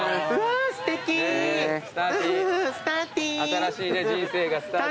新しい人生がスターティン。